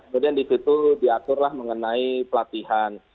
kemudian di situ diaturlah mengenai pelatihan